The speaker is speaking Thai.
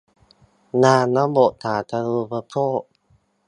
งานระบบสาธารณูปโภค